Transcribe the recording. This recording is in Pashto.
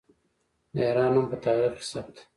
د ایران نوم په تاریخ کې ثبت دی.